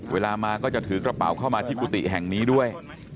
เวลามาก็จะถือกระเป๋าเข้ามาที่กุฏิแห่งนี้ด้วย